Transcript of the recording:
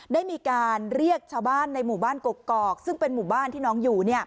ได้มีการเรียกชาวบ้านในหมู่บ้านกกอกซึ่งเป็นหมู่บ้านที่น้องอยู่